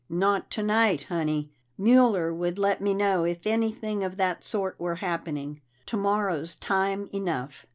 "Not tonight, Honey. Mueller would let me know if anything of that sort were happening. Tomorrow's time enough."